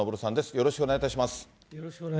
よろしくお願いします。